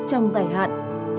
trong dài thời gian